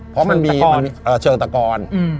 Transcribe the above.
เพราะมันมีเชิงตะกอน